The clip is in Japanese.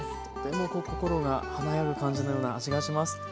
とても心が華やぐ感じのような味がします。